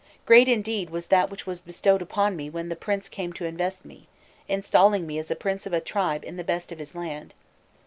Great, indeed, was that which was bestowed upon me when the prince came to invest me, installing me as prince of a tribe in the best of his land.